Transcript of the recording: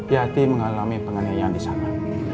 yati mengalami penganiayaan di sana